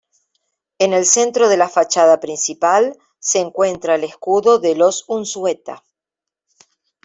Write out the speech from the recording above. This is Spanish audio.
En el centro de la fachada principal se encuentra el escudo de los Unzueta.